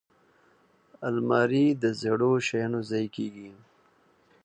الماري د زړو شیانو ځای کېږي